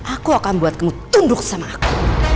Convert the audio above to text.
aku akan buat kamu tunduk sama aku